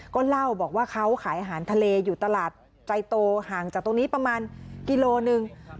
ก็เล่าบอกว่าเขาขายอาหารทะเลอยู่ตลาดใจโตห่างจากตรงนี้ประมาณกิโลหนึ่ง